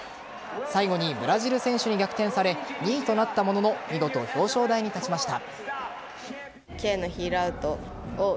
最後にブラジル選手に逆転され２位となったものの見事、表彰台に立ちました。